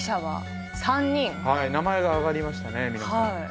はい名前が挙がりましたね。